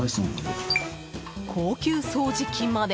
［高級掃除機まで］